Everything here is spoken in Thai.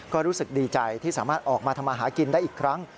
ก็รู้สึกดีใจที่สามารถออกมาทำมาหากินได้อีกครั้ง